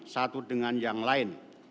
satu dengan yang lain